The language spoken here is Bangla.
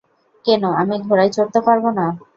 কেন আমি ঘোড়ায় চড়তে পারব না?